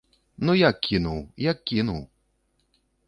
Ну як кінуў, як кінуў.